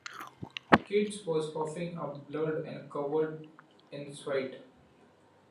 Keats was coughing up blood and covered in sweat.